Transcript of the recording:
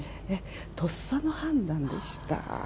とっさの判断でした。